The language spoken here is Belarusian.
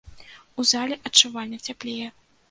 У зале адчувальна цяплее.